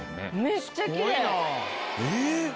めっちゃきれい！